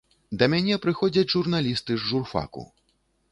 Да мяне прыходзяць журналісты з журфаку.